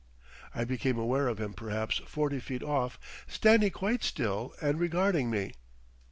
I became aware of him perhaps forty feet off standing quite still and regarding me.